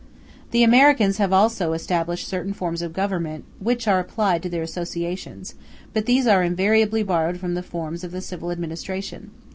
The Americans have also established certain forms of government which are applied to their associations, but these are invariably borrowed from the forms of the civil administration.